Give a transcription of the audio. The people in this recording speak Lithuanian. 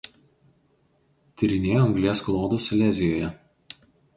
Tyrinėjo anglies klodus Silezijoje.